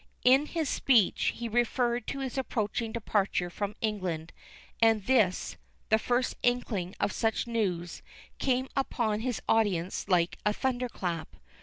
In his speech he referred to his approaching departure from England, and this, the first inkling of such news, came upon his audience like a thunder clap.